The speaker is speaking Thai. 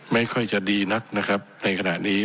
ไม่ค่อยจะดีนักนะครับในขณะนี้